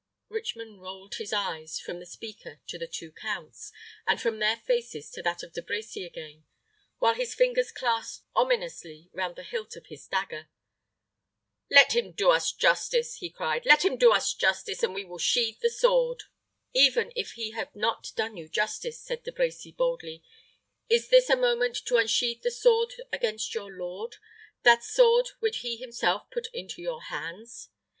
Richmond rolled his eyes from the speaker to the two counts, and from their faces to that of De Brecy again, while his fingers clasped ominously round the hilt of his dagger. "Let him do us justice," he cried; "let him do us justice, and we will sheathe the sword." "Even if he have not done you justice," said De Brecy, boldly, "is this a moment to unsheathe the sword against your lord that sword which he himself put into your hands?